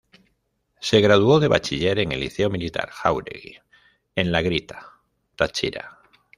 Se graduó de bachiller en el Liceo Militar Jáuregui, en La Grita, Táchira.